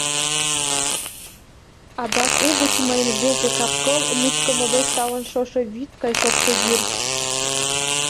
Адак угыч мыйын рвезе капкыл мучко модеш талын шошо вӱд гай шокшо вӱр.